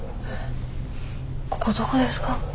ここどこですか？